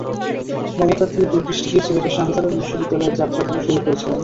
মমতা দিয়ে, দূরদৃষ্টি দিয়ে সিলেটের শাহজালাল বিশ্ববিদ্যালয়ের যাত্রা তিনি শুরু করেছিলেন।